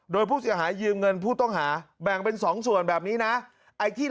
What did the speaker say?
โดยผู้เสียหายยืมเงินผู้ต้องหาแบ่งเป็น๒ส่วนแบบนี้นะ